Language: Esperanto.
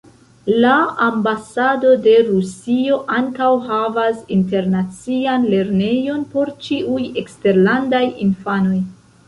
La ambasado de Rusio ankaŭ havas internacian lernejon por ĉiuj eksterlandaj infanoj.